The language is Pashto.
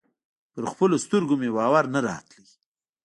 پر خپلو سترګو مې باور نه راته.